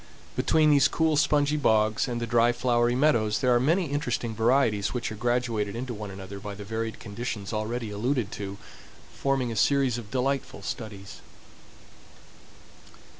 Between these cool, spongy bogs and the dry, flowery meadows there are many interesting varieties which are graduated into one another by the varied conditions already alluded to, forming a series of delightful studies.